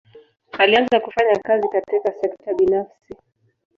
Alianza kufanya kazi katika sekta binafsi.